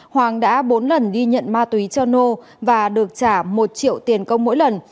hoàng đã bốn lần đi nhận ma túy cho nô và được trả một triệu tiền công mỗi lần